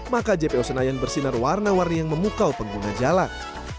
maka jpo senayan bersinar warna warni yang memukau pengguna jalan